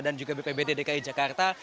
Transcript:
dan juga bpb dki jakarta